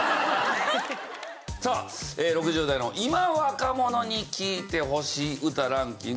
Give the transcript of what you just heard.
さあ６０代の今若者に聴いてほしい歌ランキング